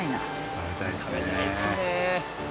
食べたいですね。